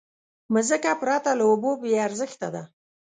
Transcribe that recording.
مځکه پرته له اوبو بېارزښته ده.